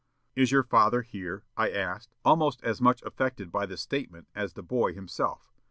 "'Is your father here?' I asked, almost as much affected by the statement as the boy himself.